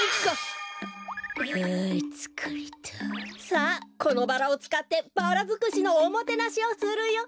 さあこのバラをつかってバラづくしのおもてなしをするよ。